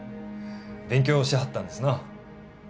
勉強しはったんですな。